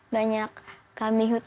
banyak kami hutan